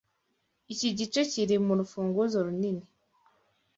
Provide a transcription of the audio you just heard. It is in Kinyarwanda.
Iki gice kiri murufunguzo runini.